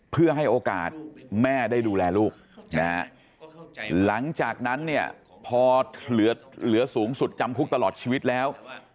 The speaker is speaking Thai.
เพื่อให้โอกาสแม่ได้ดูแลลูกนะฮะหลังจากนั้นเนี่ยพอเหลือสูงสุดจำคุกตลอดชีวิตแล้ว